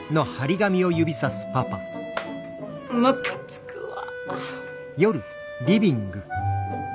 ムカつくわ！